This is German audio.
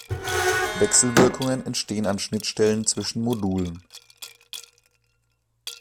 Wechselwirkungen entstehen an Schnittstellen zwischen Modulen.